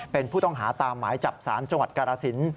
เป็นผู้ต้องหาตามหมายจับสารจังหวัดกรสิน